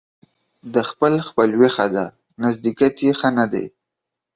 د خپل خپلوي ښه ده ، نژدېکت يې ښه نه دى.